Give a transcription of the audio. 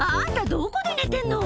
どこで寝てんの！